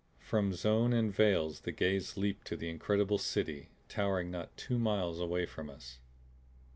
From zone and veils the gaze leaped to the incredible City towering not two miles away from us.